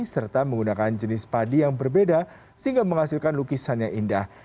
serta menggunakan jenis padi yang berbeda sehingga menghasilkan lukisan yang indah